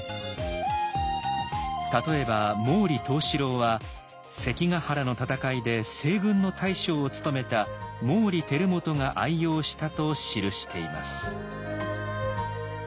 例えば「毛利藤四郎」は関ヶ原の戦いで西軍の大将を務めた毛利輝元が愛用したと記しています。